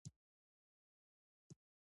مس د افغانستان د سیلګرۍ برخه ده.